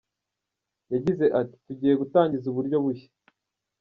Yagize ati “Tugiye gutangiza uburyo bushya.